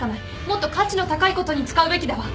もっと価値の高いことに使うべきだわ。